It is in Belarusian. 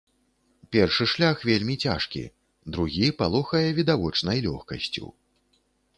Першы шлях вельмі цяжкі, другі палохае відавочнай лёгкасцю.